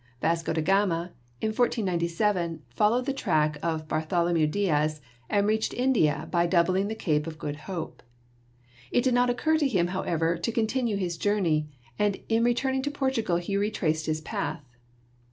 Vasco de Gama in 1497 followed the track of Bartholo mew Diaz and reached India by doubling the Cape of Good Hope. It did not occur to him, however, to continue his journey, and in returning to Portugal he retraced his path.